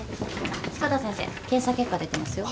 志子田先生検査結果出てますよ。